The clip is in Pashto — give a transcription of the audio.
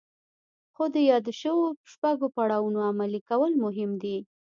خو د يادو شويو شپږو پړاوونو عملي کول مهم دي.